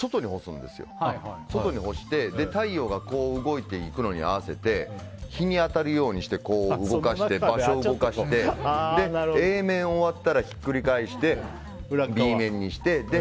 外に干して太陽が動いていくのに合わせて日に当たるようにして場所を動かしてＡ面終わったらひっくり返してＢ面にして。